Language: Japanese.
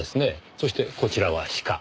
そしてこちらは鹿。